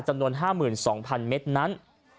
จำนวน๕๒๐๐๐เมตรนั้น